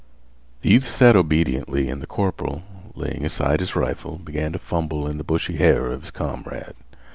The youth sat obediently and the corporal, laying aside his rifle, began to fumble in the bushy hair of his comrade.